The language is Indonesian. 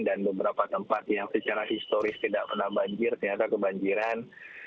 dan beberapa tempat yang secara historis tidak pernah banjir ternyata kebanjiran